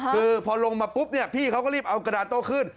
คือพอลงมาปุ๊บเนี่ยพี่เขาก็รีบเอากระดาษโต้ขึ้น